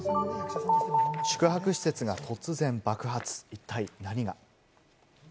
宿泊施設が突然爆発、一体何が？